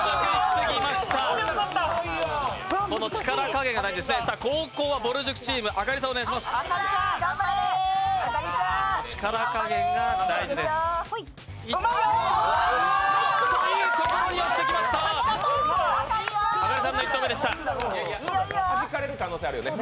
この力加減が大事ですね。